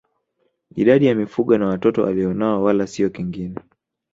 Idadi ya mifugo na watoto alionao wala sio kingine